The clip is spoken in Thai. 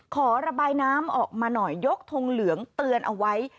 ขอระบายน้ำออกมาหน่อยยกทงเหลืองเตือนเอาไว้